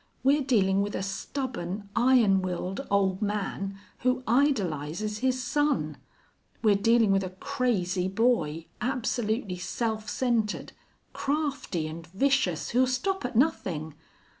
We're dealing with a stubborn, iron willed old man who idolizes his son; we're dealing with a crazy boy, absolutely self centered, crafty, and vicious, who'll stop at nothing.